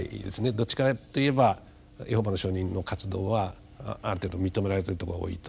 どっちかといえばエホバの証人の活動はある程度認められてるところが多いと。